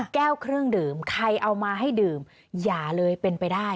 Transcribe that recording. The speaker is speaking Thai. แก้วเครื่องดื่มใครเอามาให้ดื่มอย่าเลยเป็นไปได้